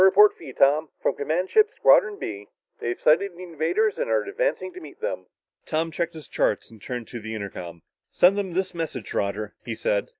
"Got a report for you, Tom. From command ship, Squadron B. They've sighted the invaders and are advancing to meet them." Tom checked his charts and turned to the intercom. "Send them this message, Roger," he said.